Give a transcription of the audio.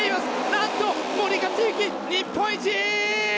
なんと森且行、日本一！